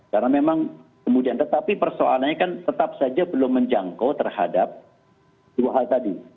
karena memang kemudian tetapi persoalannya kan tetap saja belum menjangkau terhadap dua hal tadi